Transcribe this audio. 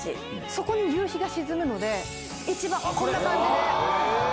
そこに夕日が沈むのでこんな感じで。